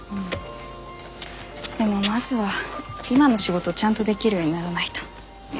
でもまずは今の仕事ちゃんとできるようにならないと。